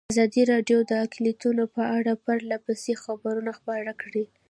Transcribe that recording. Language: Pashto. ازادي راډیو د اقلیتونه په اړه پرله پسې خبرونه خپاره کړي.